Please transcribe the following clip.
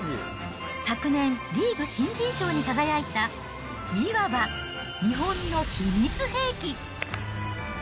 昨年、リーグ新人賞に輝いた、いわば日本の秘密兵器。